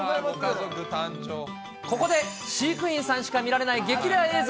ここで、飼育員さんしか見られない激レア映像。